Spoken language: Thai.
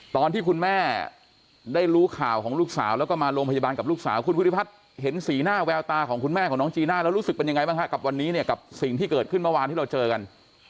ตอนที่คุณแม่ได้รู้ข่าวของลูกสาวแล้วก็มาโรงพยาบาลกับลูกสาวคุณภูริพัฒน์เห็นสีหน้าแววตาของคุณแม่ของน้องจีน่าแล้วรู้สึกเป็นยังไงบ้างฮะกับวันนี้เนี่ยกับสิ่งที่เกิดขึ้นเมื่อวานที่เราเจอกัน